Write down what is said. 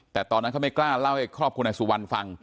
แต่ตอนนั้นเขาไม่กล้าเล่าให้ครอบครัวนายสุวรรณฟัง